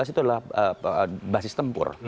itu adalah basis tempur